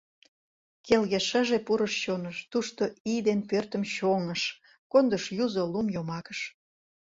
Келге шыже пурыш чоныш, тушто ий ден пӧртым чоҥыш, кондыш юзо лум йомакыш.